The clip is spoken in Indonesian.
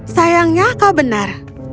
sayangnya kau benar